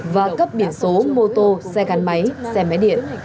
và cấp biển số mô tô xe gắn máy xe máy điện